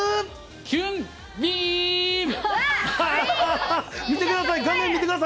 キュンビーム。